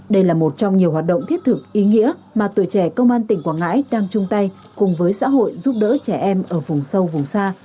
đây là một trong nhiều hoạt động thiết thực ý nghĩa mà tuổi trẻ công an tỉnh quảng ngãi đang chung tay cùng với xã hội giúp đỡ trẻ em ở vùng sâu vùng xa